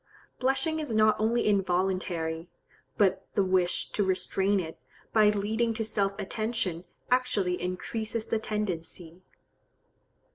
Blushing is not only involuntary; but the wish to restrain it, by leading to self attention actually increases the tendency.